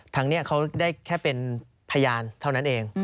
ทางนี้เขาได้แค่เป็นพยานเท่านั้นเอง